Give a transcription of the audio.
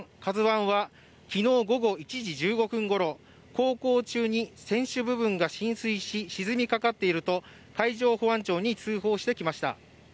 「ＫＡＺＵⅠ」は昨日午後１時１５分ごろ航行中に船首部分が浸水し、沈みかかっていると海上保安庁に通報してきました。